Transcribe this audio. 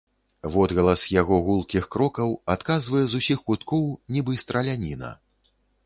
Водгалас яго гулкіх крокаў адказвае з усіх куткоў, нібы страляніна.